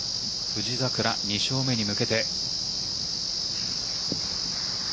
富士桜、２勝目に向けて。